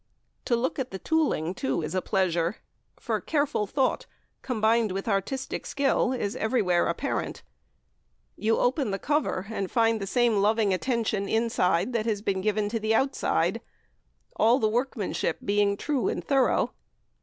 To look at the "tooling," too, is a pleasure, for careful thought, combined with artistic skill, is everywhere apparent. You open the cover and find the same loving attention inside that has been given to the outside, all the workmanship being true and thorough.